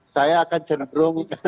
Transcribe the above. saya akan cenderung